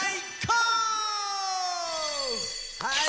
はい。